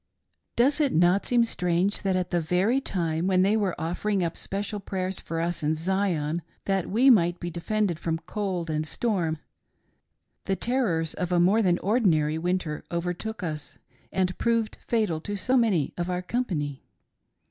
Does it not seem strange that at the very time when they were offering up special prayers for us in Zion, that we might be defended from cold and storm, the terrors, of a more than ordinary winter overtook us and proved fatal to so many of our company